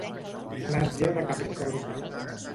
Platja de Capicorb